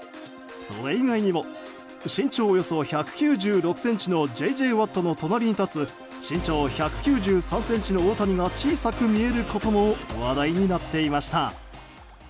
それ以外にも身長およそ１９６ｃｍのＪ．Ｊ・ワットの隣に立つ身長１９３ｃｍの大谷が小さく見えることも話題になっていました。